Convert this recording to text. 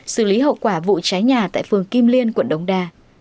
xử lý hậu quả vụ cháy nhà tại phường kim liên quận đống đa